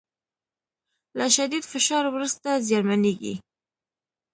له شدید فشار وروسته زیانمنېږي